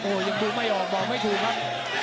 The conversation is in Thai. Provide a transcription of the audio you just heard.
ยังดูไม่ออกบอกไม่ถูกครับ